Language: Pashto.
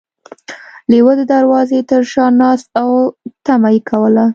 لیوه د دروازې تر شا ناست و او تمه یې کوله.